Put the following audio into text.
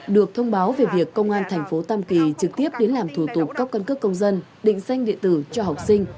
được thông báo về việc công an thành phố tam kỳ trực tiếp đến làm thủ tục cấp căn cước công dân định danh điện tử cho học sinh